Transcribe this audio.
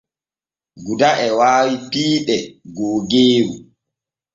Guda e waawi piiɗe googeeru.